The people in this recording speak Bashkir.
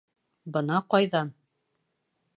— Бына ҡайҙан?